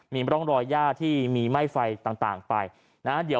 มีร้องรอยหญ้าที่มีไหม้ไฟไป